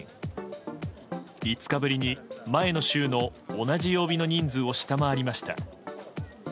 ５日ぶりに、前の週の同じ曜日の人数を下回りました。